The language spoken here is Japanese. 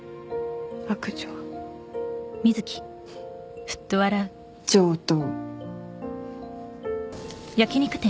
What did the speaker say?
悪女上等